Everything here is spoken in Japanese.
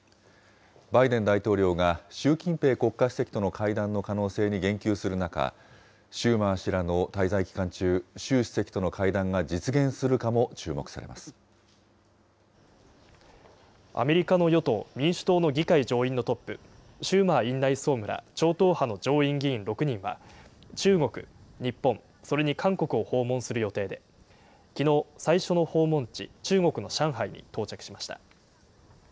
バイデン大統領が習近平国家主席との会談の可能性に言及する中、シューマー氏らの滞在期間中、習主席との会談が実現するかも注目アメリカの与党・民主党の議会上院のトップ、シューマー院内総務ら超党派の上院議員６人は、中国、日本、それに韓国を訪問する予定で、きのう、最初の訪問地、中国の上海に到着しました。